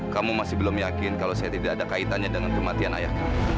kamu masih belum yakin kalau saya tidak ada kaitannya dengan kematian ayahku